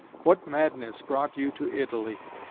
What madness brought you to Italy?